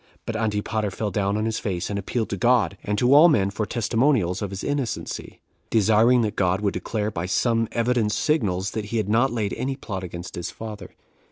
But Antipater fell down on his face, and appealed to God and to all men for testimonials of his innocency, desiring that God would declare, by some evident signals, that he had not laid any plot against his father.